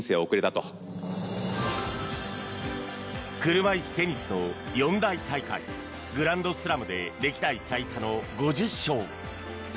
車いすテニスの４大大会グランドスラムで歴代最多の５０勝。